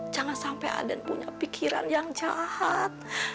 jangan sampai aden punya pikiran yang jahat